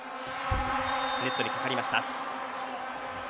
ネットにかかりました。